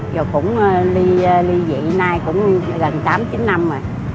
rồi cũng ly dị nay cũng gần tám chín năm rồi